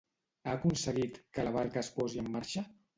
Ha aconseguit que la barca es posi en marxa?